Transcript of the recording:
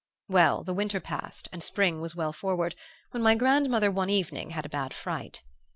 "Well, the winter passed, and spring was well forward, when my grandmother one evening had a bad fright.